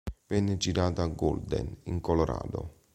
Venne girato a Golden, in Colorado.